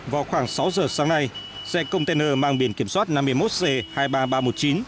vào khoảng sáu giờ sáng nay xe container mang biển kiểm soát năm mươi một c hai mươi ba nghìn ba trăm một mươi chín